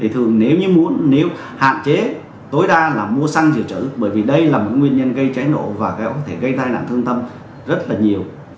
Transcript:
thường nếu hạn chế tối đa là mua xăng dự trữ bởi vì đây là nguyên nhân gây trái nổ và gây tai nạn thương tâm rất là nhiều